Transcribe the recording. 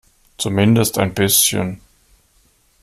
Zumindest ein bisschen.